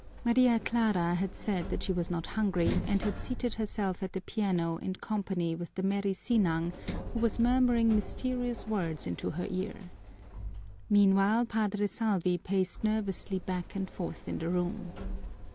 Maria Clara had said that she was not hungry and had seated herself at the piano in company with the merry Sinang, who was murmuring mysterious words into her ear. Meanwhile Padre Salvi paced nervously back and forth in the room.